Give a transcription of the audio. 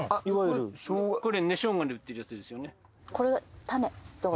これ根生姜で売ってるやつですよね